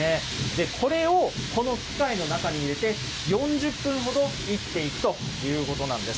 これをこの機械の中に入れて、４０分ほどいっていくということなんです。